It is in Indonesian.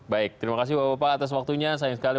baik terima kasih bapak bapak atas waktunya sayang sekali